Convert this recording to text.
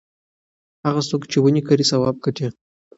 هغه څوک چې ونې کري ثواب ګټي.